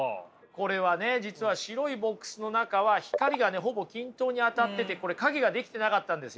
これはね実は白いボックスの中は光がねほぼ均等に当たっててこれ影ができてなかったんですよね。